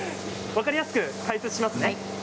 分かりやすく解説しますね。